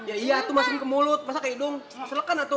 iya iya itu masukin ke mulut masuk ke hidung selekan lah tuh